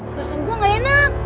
perasaan gua gak enak